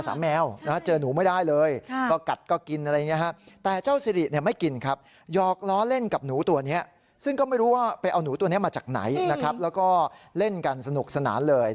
ซึ่งก็ไม่รู้ว่าไปเอาหนูตัวนี้มาจากไหนนะครับแล้วก็เล่นกันสนุกสนานเลย